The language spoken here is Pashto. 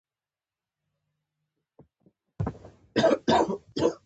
تاریخ د قربانيو يادونه ده.